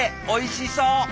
おいしそう！